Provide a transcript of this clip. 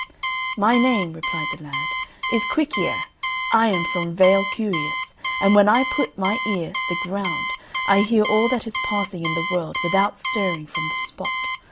"My name," replied the lad, "is Quick ear; I am from Vale Curious; and when I put my ear the ground I hear all that is passing in the world without stirring from the spot.